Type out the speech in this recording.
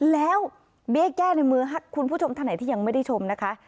แล้วเบี้ยแก้ในมือคุณผู้ชมท่านไหนที่ยังไม่ได้ชมนะคะ